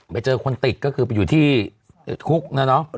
ไปเจอคนติดก็คือไปอยู่ที่คุกนะเนาะ